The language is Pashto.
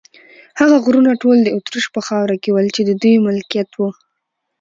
هغه غرونه ټول د اتریش په خاوره کې ول، چې د دوی ملکیت و.